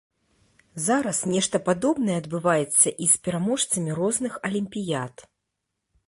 Зараз нешта падобнае адбываецца і з пераможцамі розных алімпіяд.